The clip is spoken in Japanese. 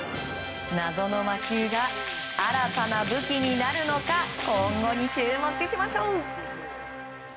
謎の魔球が新たな武器になるのか今後に注目しましょう。